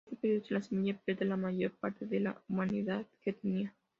En este periodo, la semilla pierde la mayor parte de la humedad que tenía.